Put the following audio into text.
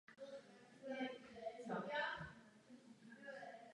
Tam byla následně vybudována nová vesnice se dvěma ulicemi.